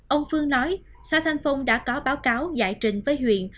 ông phương nói xã thanh phong đã có báo cáo giải trình với huyện